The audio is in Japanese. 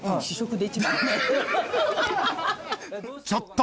［ちょっと！